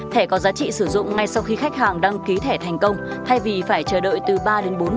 thẻ có giá trị sử dụng ngay sau khi khách hàng đăng ký thẻ thành công thay vì phải chờ đợi từ ba đến bốn ngày để nhận thẻ cứng như trước đây